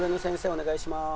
お願いします。